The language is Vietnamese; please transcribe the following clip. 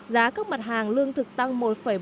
giá các mặt hàng lương thực tăng một bốn mươi